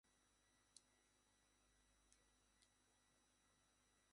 দুই জন দুইজনের প্রেমে পড়ে বিয়ে করার সিদ্ধান্ত নিয়েছিলেন।